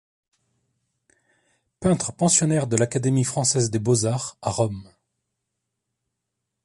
Peintre pensionnaire de l'Académie Française des Beaux Arts à Rome.